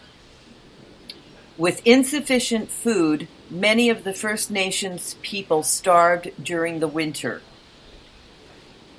With insufficient food, many of the First Nations people starved during the winter.